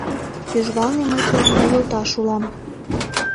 Тӱжвалне мый тыланда йолташ улам.